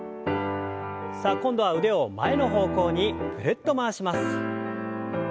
さあ今度は腕を前の方向にぐるっと回します。